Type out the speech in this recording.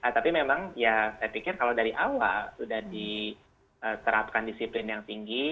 tapi memang ya saya pikir kalau dari awal sudah diterapkan disiplin yang tinggi